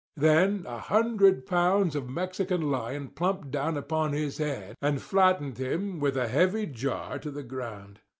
Then a hundred pounds of Mexican lion plumped down upon his head and flattened him, with a heavy jar, to the ground.